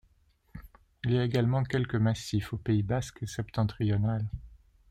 Il y a également quelques massifs au Pays basque septentrional.